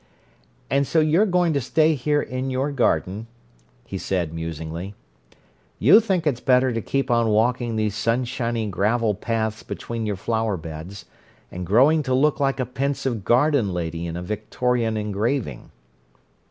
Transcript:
"And so you're going to stay here in your garden," he said musingly. "You think it's better to keep on walking these sunshiny gravel paths between your flower beds, and growing to look like a pensive garden lady in a Victorian engraving."